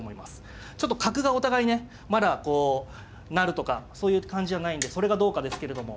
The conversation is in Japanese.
ちょっと角がお互いねまだ成るとかそういう感じじゃないんでそれがどうかですけれども。